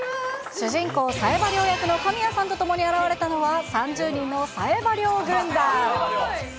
主人公、冴羽りょう役の神谷さんと共に現れたのは３０人の冴羽りょう軍団。